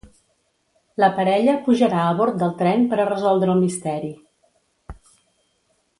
La parella pujarà a bord del tren per a resoldre el misteri.